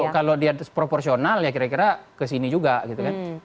kalau dia proporsional ya kira kira kesini juga gitu kan